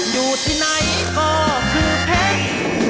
อยู่ที่ไหนก็คือเพชร